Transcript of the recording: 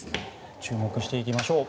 注目していきましょう。